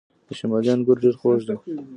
د شمالی انګور ډیر خوږ دي.